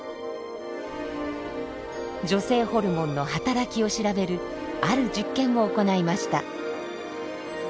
女性ホルモンの働きを調べるある実験を行いました。